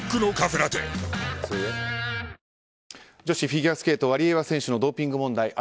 女子フィギュアスケートワリエワ選手のドーピング問題。